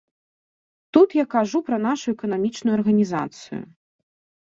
Тут я кажу пра нашу эканамічную арганізацыю.